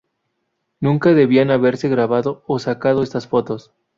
nunca deberían haberse grabado o sacado estas fotos